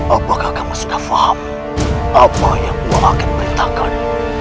apakah kamu sudah faham apa yang aku akan perintahkan